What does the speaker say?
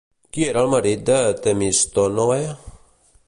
Qui era el marit de Temistònoe?